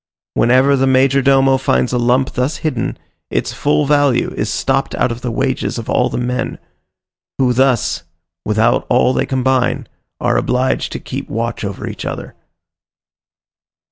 Whenever the major domo finds a lump thus hidden, its full value is stopped out of the wages of all the men; who thus, without they all combine, are obliged to keep watch over each other.